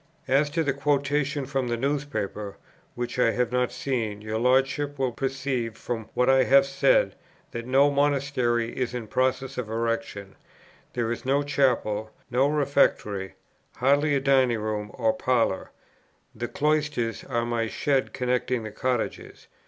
"As to the quotation from the [newspaper], which I have not seen, your Lordship will perceive from what I have said, that no 'monastery is in process of erection;' there is no 'chapel;' no 'refectory', hardly a dining room or parlour. The 'cloisters' are my shed connecting the cottages.